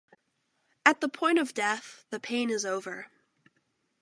At the point of death, the pain is over.